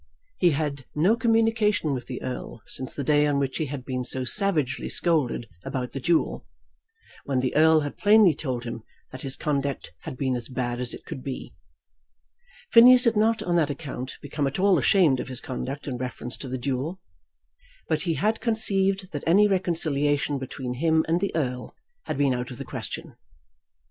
He had had no communication with the Earl since the day on which he had been so savagely scolded about the duel, when the Earl had plainly told him that his conduct had been as bad as it could be. Phineas had not on that account become at all ashamed of his conduct in reference to the duel, but he had conceived that any reconciliation between him and the Earl had been out of the question.